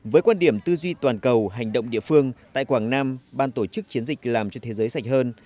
với quan điểm tư duy toàn cầu hành động địa phương tại quảng nam ban tổ chức chiến dịch làm cho thế giới sạch hơn